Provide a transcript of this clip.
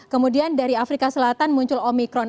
kemudian dari afrika selatan muncul omikron